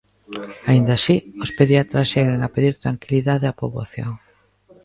Aínda así, os pediatras seguen a pedir tranquilidade á poboación.